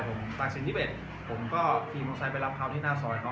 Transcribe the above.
แต่ว่าเมืองนี้ก็ไม่เหมือนกับเมืองอื่น